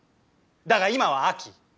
だが今は秋。